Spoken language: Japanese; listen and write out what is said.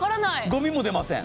ゴミも出ません。